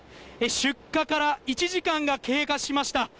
出火から１時間が経過しました。